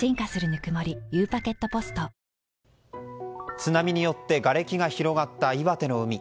津波によってがれきが広がった岩手の海。